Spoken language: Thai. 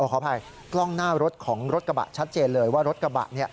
ขออภัยกล้องหน้ารถของรถกระบะชัดเจนเลยว่ารถกระบะ